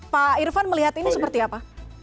pak irfan melihat ini seperti apa